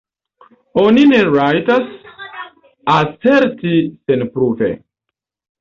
Oni ne rajtas aserti senpruve.